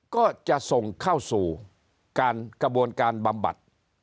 ก็จะส่งเข้าสู่การกระบวนการบำบัด